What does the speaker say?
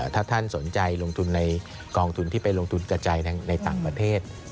ถ้าท่านสนใจลงทุนในกองทุนที่ไปลงทุนกระจายในต่างประเทศ